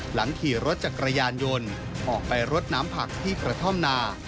หลังขี่รถจักรยานยนต์ออกไปรดน้ำผักที่กระท่อมนา